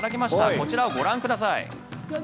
こちらをご覧ください。